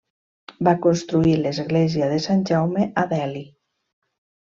Va construir l'església de Sant Jaume a Delhi.